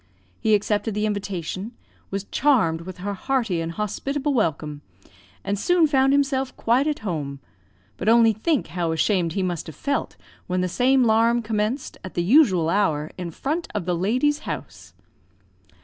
He accepted the invitation, was charmed with her hearty and hospitable welcome, and soon found himself quite at home; but only think how ashamed he must have felt, when the same 'larum commenced, at the usual hour, in front of the lady's house!